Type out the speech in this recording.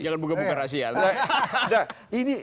jangan buka buka raksian